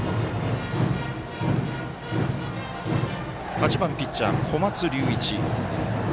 ８番、ピッチャー、小松龍一。